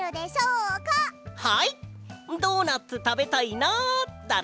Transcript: ドーナツたべたいなだろ？